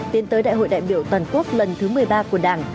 tiến tới đại hội đại biểu toàn quốc lần thứ một mươi ba của đảng